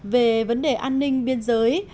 về vấn đề an ninh biên giới